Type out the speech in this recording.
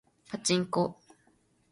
パチンコ